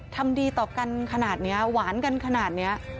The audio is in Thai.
ทำดีต่อกันขนาดนี้หวานกันขนาดนี้